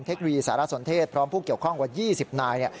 เทคโนโลยีสารสนเทศพร้อมผู้เกี่ยวข้องกว่า๒๐นาย